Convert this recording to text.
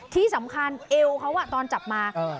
ที่สำคัญเอวเขาอ่ะตอนจับมาเออ